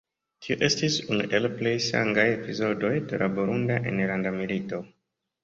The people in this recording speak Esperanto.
Tio estis unu el plej sangaj epizodoj de la Burunda enlanda milito.